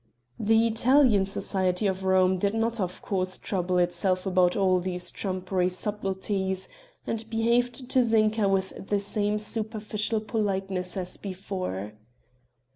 The Italian society of Rome did not of course trouble itself about all these trumpery subtleties, and behaved to Zinka with the same superficial politeness as before.